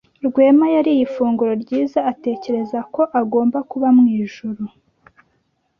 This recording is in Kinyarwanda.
Rwema yariye ifunguro ryiza atekereza ko agomba kuba mwijuru.